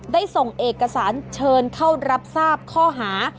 ได้ส่งเอกสารเชิญเข้ารับทราบข้อหา